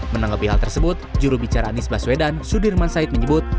menanggapi hal tersebut jurubicara anies baswedan sudirman said menyebut